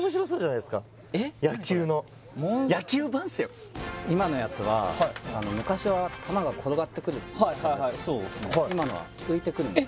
野球の野球盤っすよ・今のやつは昔は球が転がってくる今のは浮いてくるんです